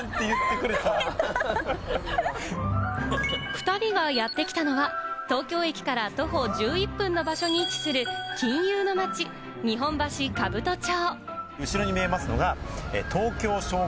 ２人がやってきたのは、東京駅から徒歩１１分の場所に位置する、金融の街・日本橋兜町。